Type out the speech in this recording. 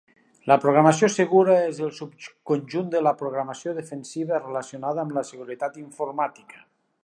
La programació segura és el subconjunt de la programació defensiva relacionada amb la seguretat informàtica.